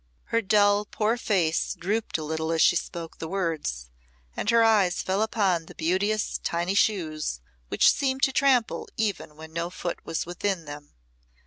Her dull, poor face dropped a little as she spoke the words, and her eyes fell upon the beauteous tiny shoes, which seemed to trample even when no foot was within them.